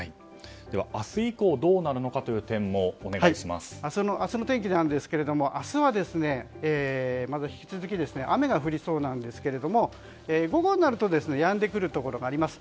では明日以降どうなるのかという点も明日の天気なんですが引き続き雨が降りそうですが午後になるとやんでくるところがあります。